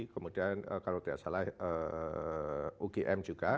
kemudian kalau tidak salah ugm juga